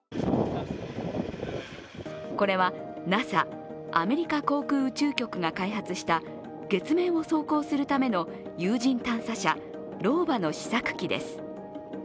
これはＮＡＳＡ＝アメリカ航空宇宙局が開発した月面を走行するための有人探査車＝ローバの試作機です。